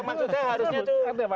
maksud saya harusnya itu